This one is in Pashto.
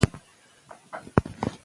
که پوهه وي نو یادګار وي.